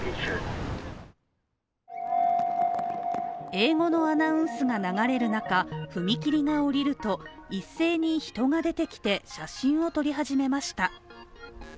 英語のアナウンスが流れる中、踏切が降りると一斉に人が出てきて、写真を撮り始めました。